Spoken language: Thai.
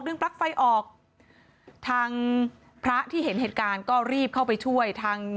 ปลั๊กไฟออกทางพระที่เห็นเหตุการณ์ก็รีบเข้าไปช่วยทาง